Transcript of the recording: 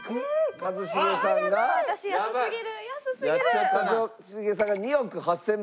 一茂さんが２億８０００万。